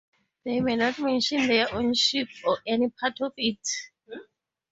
They may not mention their own ship or any part of it.